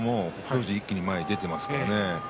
富士が一気に前に出ていますからね。